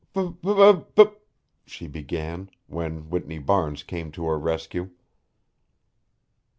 "B b b," she began, when Whitney Barnes came to her rescue.